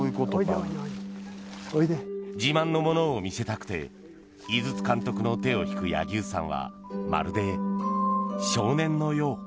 自慢のものを見せたくて井筒監督の手を引く柳生さんはまるで少年のよう。